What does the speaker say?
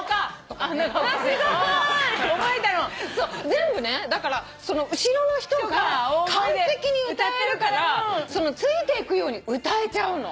全部ねだから後ろの人が完璧に歌えるからついていくように歌えちゃうの。